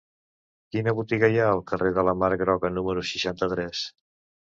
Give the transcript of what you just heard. Quina botiga hi ha al carrer de la Mar Groga número seixanta-tres?